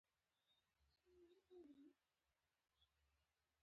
چې ولس د طالبانو په ضد راپاڅیږي